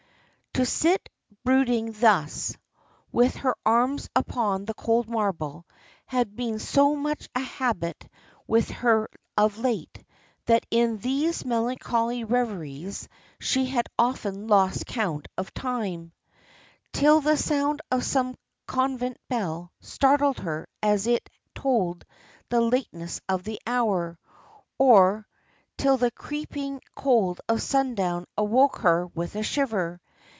To sit brooding thus, with her arms upon the cold marble, had been so much a habit with her of late, that in these melancholy reveries she had often lost count of time, till the sound of some convent bell startled her as it told the lateness of the hour, or till the creeping cold of sundown awoke her with a shiver.